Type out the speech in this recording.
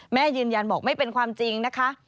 แม่ยืนยันบอกไม่เป็นความจริงนะคะ